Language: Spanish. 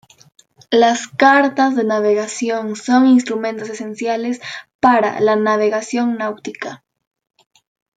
Las cartas de navegación son instrumentos esenciales para la navegación náutica.